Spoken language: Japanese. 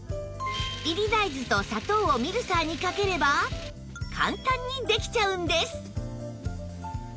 煎り大豆と砂糖をミルサーにかければ簡単にできちゃうんです